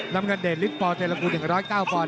น้ำเงินนิดปอนด์เทลากู๑๐๙ปอนด์